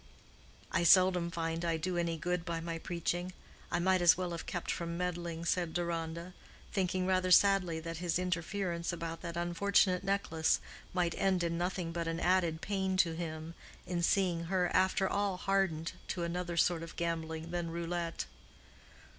"I seldom find I do any good by my preaching. I might as well have kept from meddling," said Deronda, thinking rather sadly that his interference about that unfortunate necklace might end in nothing but an added pain to him in seeing her after all hardened to another sort of gambling than roulette.